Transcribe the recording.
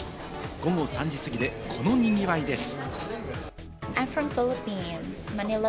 午後３時過ぎで、この賑わいです。